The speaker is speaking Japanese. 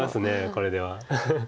これでは。